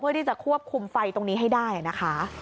ที่จะควบคุมไฟตรงนี้ให้ได้นะคะ